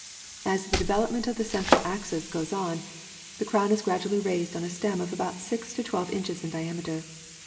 As the development of the central axis goes on, the crown is gradually raised on a stem of about six to twelve inches in diameter.